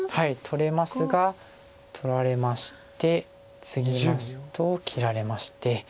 取れますが取られましてツギますと切られまして。